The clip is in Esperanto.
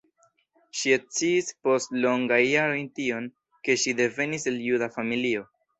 Ŝi eksciis post longaj jaroj tion, ke ŝi devenis el juda familio.